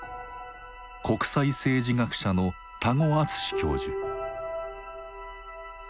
国際政治学者の多湖淳教授。